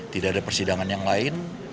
tidak ada persidangan yang lain